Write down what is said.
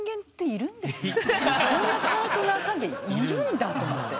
そんなパートナー関係いるんだと思って。